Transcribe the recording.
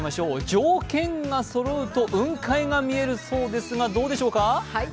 条件がそろうと雲海が見えるそうですがどうでしょうか？